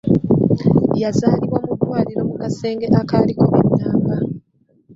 Yazaalibwa mu ddwaliro mu kasenge akaaliko ennamba.